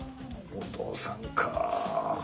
お父さんか。